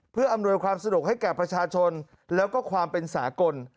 เพื่ออำนวยความสะดวกให้แก่ประชาชนแล้วก็ความเป็นสากล